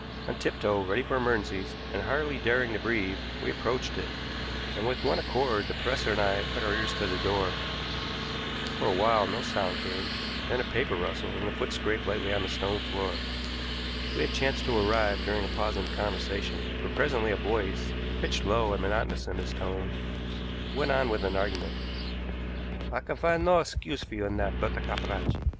On tiptoe, ready for emergencies, and hardly daring to breathe, we approached it, and with one accord the professor and I put our ears to the door. For a while no sound came, then a paper rustled and a foot scraped lightly on the stone floor. We had chanced to arrive during a pause in the conversation, for presently a voice, pitched low and monotonous in its tone, went on with an argument: "I can find no excuse for you in that, Bertha Capracci.